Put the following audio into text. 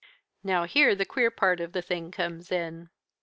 Now here the queer part of the thing comes in.